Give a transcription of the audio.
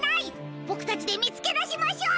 ボクたちでみつけだしましょう！